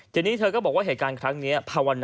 เจนนี่เธอก็บอกว่าเหตุการณ์ครั้งนี้